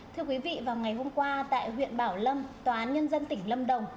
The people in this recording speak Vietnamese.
thưa quý vị vào ngày hôm qua tại huyện bảo lâm tòa án nhân dân tỉnh lâm đồng